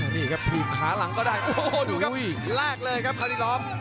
นี่ครับถีบขาหลังก็ได้โอ้โหดูครับแลกเลยครับคารีลอฟ